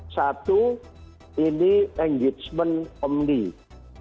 satu ini engagement omnisional